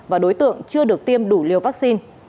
và đối tượng chưa được tiêm đủ liều vaccine